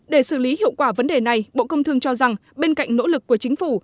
để xử lý hiệu quả vấn đề này bộ công thương cho rằng bên cạnh nỗ lực của chính phủ